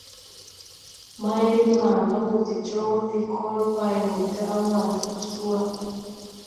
Mayre maaga wɔ de jɔŋ lɛkɔl bay wɔ daʼ war gus wà.